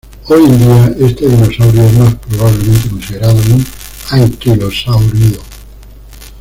Hoy en día este dinosaurio es más probablemente considerado un anquilosáurido.